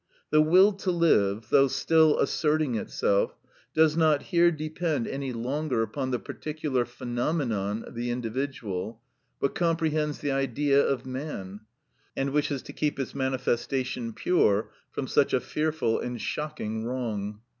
The will to live, though still asserting itself, does not here depend any longer upon the particular phenomenon, the individual, but comprehends the Idea of man, and wishes to keep its manifestation pure from such a fearful and shocking wrong.